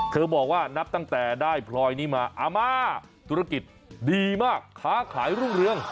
บอกว่านับตั้งแต่ได้พลอยนี้มาอาม่าธุรกิจดีมากค้าขายรุ่งเรือง